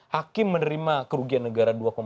hakim menerima kerugian negara